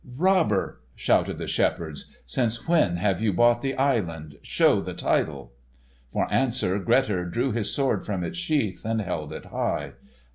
"Robber!" shouted the shepherds, "since when have you bought the island? Show the title." For answer Grettir drew his sword from its sheath, and held it high.